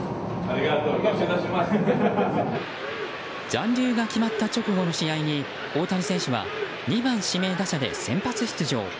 残留が決まった直後の試合に大谷選手は２番、指名打者で先発出場。